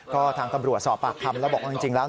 ก็ทางตำรวจสอบปากคำแล้วบอกว่าจริงแล้ว